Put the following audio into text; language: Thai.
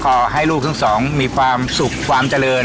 ขอให้ลูกทั้งสองมีความสุขความเจริญ